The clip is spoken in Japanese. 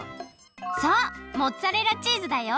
そうモッツァレラチーズだよ！